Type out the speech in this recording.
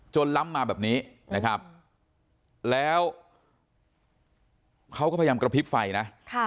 ล้ำมาแบบนี้นะครับแล้วเขาก็พยายามกระพริบไฟนะ